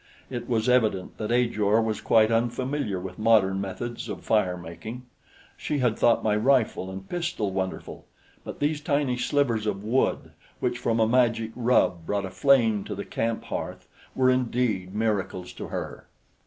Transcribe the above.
It was evident that Ajor was quite unfamiliar with modern methods of fire making. She had thought my rifle and pistol wonderful; but these tiny slivers of wood which from a magic rub brought flame to the camp hearth were indeed miracles to her.